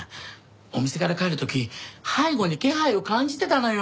お店から帰る時背後に気配を感じてたのよ。